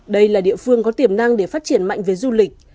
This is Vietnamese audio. đây là địa phương có tiềm năng để phát triển mạnh về du lịch